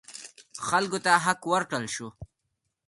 خلکو ته حق ورکړل شو.